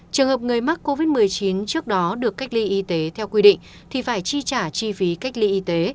trường hợp người mắc covid một mươi chín trước đó được cách ly y tế theo quy định thì phải chi trả chi phí cách ly y tế